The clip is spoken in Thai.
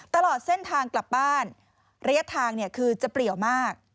ตลอดเส้นทางกลับบ้านระยะทางคือจะเปรียวมาก